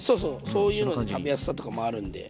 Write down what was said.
そういうので食べやすさとかもあるんで。